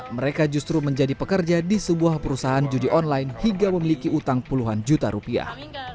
mereka justru menjadi pekerja di sebuah perusahaan judi online hingga memiliki utang puluhan juta rupiah